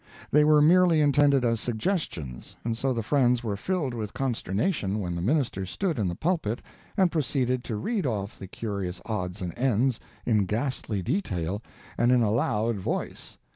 They were merely intended as suggestions, and so the friends were filled with consternation when the minister stood in the pulpit and proceeded to read off the curious odds and ends in ghastly detail and in a loud voice!